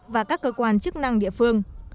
và các cơ quan chức năng địa phương